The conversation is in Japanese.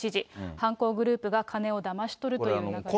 犯行グループが金をだまし取るというような流れですね。